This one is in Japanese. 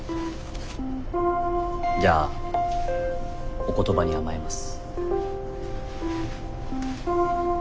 じゃあお言葉に甘えます。